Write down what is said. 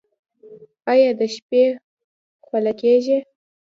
ایا د شپې خوله کیږئ؟